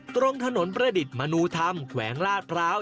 ตรงถนนประดิษฐ์มนุธรรมแขวงลาดพร้าว